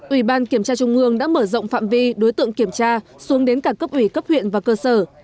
ủy ban kiểm tra trung ương đã mở rộng phạm vi đối tượng kiểm tra xuống đến cả cấp ủy cấp huyện và cơ sở